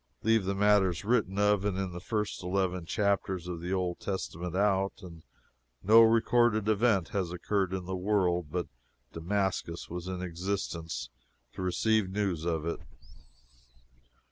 Leave the matters written of in the first eleven chapters of the Old Testament out, and no recorded event has occurred in the world but Damascus was in existence to receive the news of it.